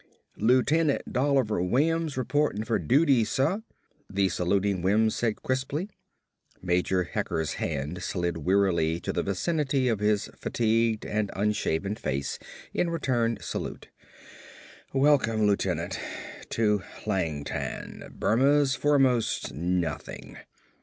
"Lieutenant Dolliver Wims reportin' fer dooty, suh," the saluting Wims said crisply. Major Hecker's hand slid wearily to the vicinity of his fatigued and unshaven face in return salute. "Welcome, lieutenant, to Hlangtan, Burma's foremost nothing."